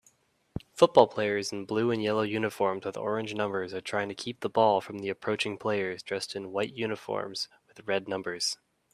Football players in blue and yellow uniforms with orange numbers are trying to keep the ball from the approaching players dressed in white uniforms with red numbers